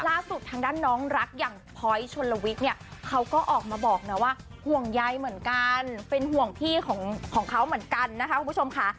ล่าสุดทางด้านน้องรักอย่างพ้อยชนลวิทย์เนี่ยเขาก็ออกมาบอกนะว่าห่วงใยเหมือนกันเป็นห่วงพี่ของเขาเหมือนกันนะคะคุณผู้ชมค่ะ